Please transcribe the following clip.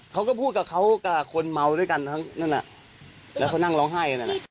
เขาก็พูดกับเขากับคนเมาด้วยกันนั่นแหละแล้วเขานั่งร้องไห้